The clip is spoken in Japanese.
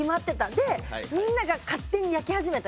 でみんなが勝手に焼き始めた。